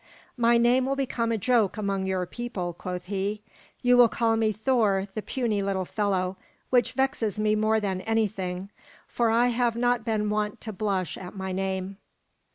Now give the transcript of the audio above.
"My name will become a joke among your people," quoth he. "You will call me Thor the puny little fellow, which vexes me more than anything; for I have not been wont to blush at my name."